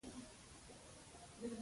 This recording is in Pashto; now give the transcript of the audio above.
دا ګډ حقیقت زموږ کړنې همغږې کوي.